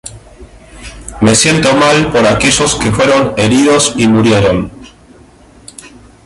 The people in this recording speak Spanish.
Me siento mal por aquellos que fueron heridos y murieron.